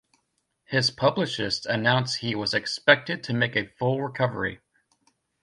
His publicist announced he was expected to make a full recovery.